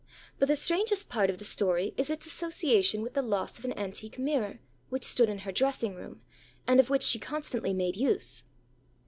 But the strangest part of the story is its association with the loss of an antique mirror, which stood in her dressing room, and of which she constantly made use.